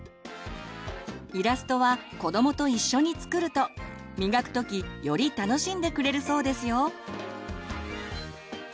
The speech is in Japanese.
イラストは子どもと一緒に作ると磨くときより楽しんでくれるそうですよ。